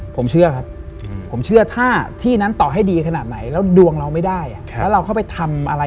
ผมเชื่อครับผมเชื่อถ้าที่นั้นต่อให้ดีขนาดไหนแล้วดวงเราไม่ได้แล้วเราเข้าไปทำอะไร